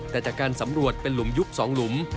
แต่จากการสำรวจเป็นหลุมยุบ๒หลุม